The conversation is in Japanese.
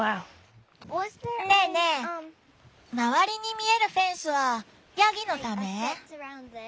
ねえねえ周りに見えるフェンスはヤギのため？